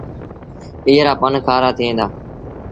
ايئي رآ پن کآرآ ٿئيٚݩ دآ۔